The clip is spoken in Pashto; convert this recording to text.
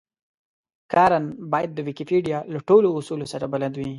کارن بايد د ويکيپېډيا له ټولو اصولو سره بلد وي.